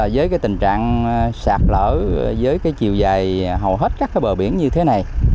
với tình trạng sạt lở với chiều dài hầu hết các bờ biển như thế này